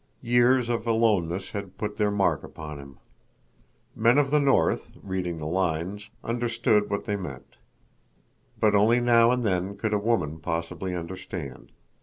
Years of aloneness had put their mark upon him. Men of the north, reading the lines, understood what they meant. But only now and then could a woman possibly understand.